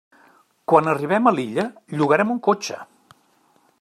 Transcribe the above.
Quan arribem a l'illa, llogarem un cotxe.